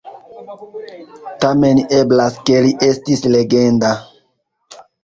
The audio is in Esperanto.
Tamen eblas ke li estis legenda.